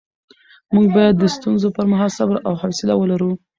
موږ باید د ستونزو پر مهال صبر او حوصله ولرو